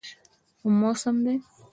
کوم موسم دی؟